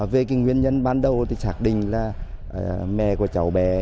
về kinh nguyên nhân ban đầu thì chắc định là mẹ của cháu bé